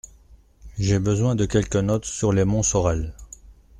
J’ai besoin de quelques notes sur les Montsorel.